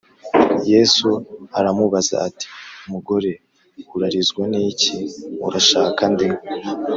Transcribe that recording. Yesu aramubaza ati mugore urarizwa n iki Urashaka nde